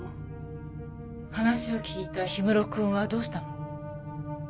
話を聞いた氷室くんはどうしたの？